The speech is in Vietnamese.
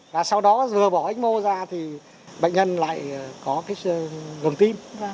và sau đó vừa bỏ ách mô ra thì bệnh nhân lại có gần tim